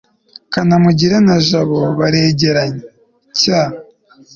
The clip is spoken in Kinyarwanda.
kanamugire na jabo baregeranye cy